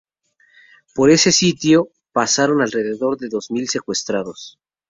Por ese sitio pasaron alrededor de dos mil secuestrados.